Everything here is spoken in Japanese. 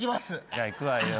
じゃあいくわよ。